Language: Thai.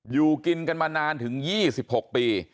อยู่กินกันมานานถึง๒๖ปี